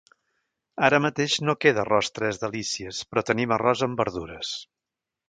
Ara mateix no queda arròs tres delícies però tenim arròs amb verdures.